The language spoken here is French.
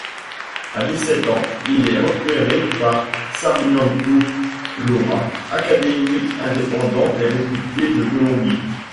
À dix-sept ans, il est repéré par Sarmiento-Lora, académie indépendante et réputée de Colombie.